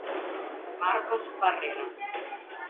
Marcos Barrera